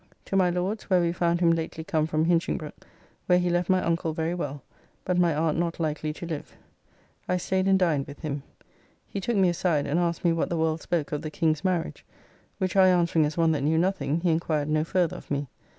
To my Lord's, where we found him lately come from Hinchingbroke, where he left my uncle very well, but my aunt not likely to live. I staid and dined with him. He took me aside, and asked me what the world spoke of the King's marriage. Which I answering as one that knew nothing, he enquired no further of me.